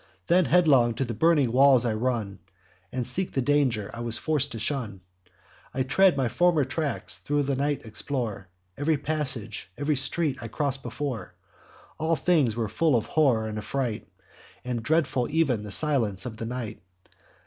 Then headlong to the burning walls I run, And seek the danger I was forc'd to shun. I tread my former tracks; thro' night explore Each passage, ev'ry street I cross'd before. All things were full of horror and affright, And dreadful ev'n the silence of the night.